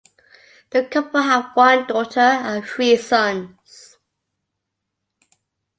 The couple have one daughter and three sons.